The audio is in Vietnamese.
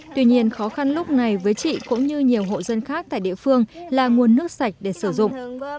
tuy nhiên khó khăn lúc này với chị cũng như nhiều hộ dân khác tại địa phương là nguồn nước sạch để sử dụng